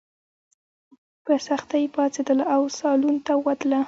په سختۍ پاڅېدله او سالون ته ووتله.